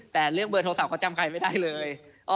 แต่เรื่องเบอร์โทรศัพท์เขาจำใครไม่ได้เลย